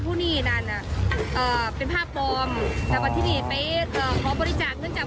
พูดว่าคนอีกก็เห็นเม่าหรือเปล่า